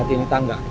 hati hati ini tangga